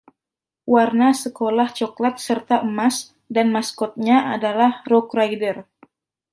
Warna sekolah cokelat serta emas, dan maskotnya adalah Roughrider.